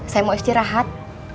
saya mau istirahat